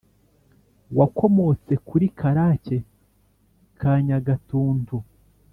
wakomotse kuri karake ka nyagatuntu,